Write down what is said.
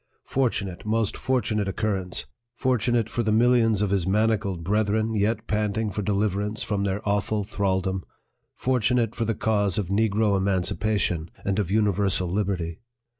Fortunate, most fortunate occurrence ! fortunate for the millions of his manacled brethren, yet panting for deliverance from their awful thraldom ! fortunate for the cause of negro emancipation, and of universal liberty